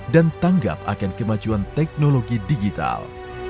dan tanggap akan kemajuan teknologi digital